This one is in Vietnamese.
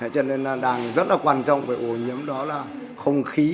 cho nên là đang rất là quan trọng về ô nhiễm đó là không khí